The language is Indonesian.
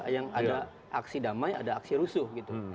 yang ada aksi damai ada aksi rusuh gitu